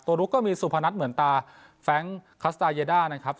ลุกก็มีสุพนัทเหมือนตาแฟรงค์คัสตาเยด้านะครับ